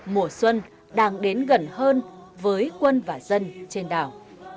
mùa xuân đang đến gần hơn với quân và dân trên đảo